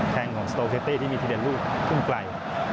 แทงของสโตเฟตี้ที่มีทะเบียนลูกทุ่งไกล